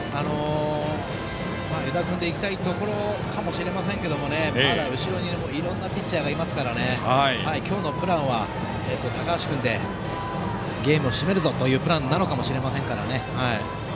湯田君でいきたいところかもしれませんけどまだ後ろにいろいろなピッチャーがいるので今日のプランは高橋君でゲームを締めるぞというプランかもしれません。